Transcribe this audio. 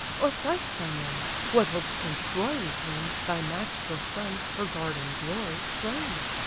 Or fliest thou now?—What hopes can Troy retain, Thy matchless son, her guard and glory, slain?"